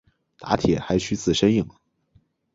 打铁还需自身硬。